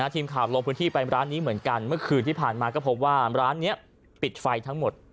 ทีมข่าวลงพื้นที่ไปร้านนี้เหมือนกันเมื่อคืนที่ผ่านมาก็พบว่าร้านนี้ปิดไฟทั้งหมด